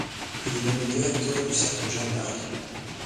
Il est nommé directeur du Cercle Jeanne-d'Arc.